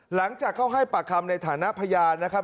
หลังจากเข้าให้ปากคำในฐานะพยานนะครับ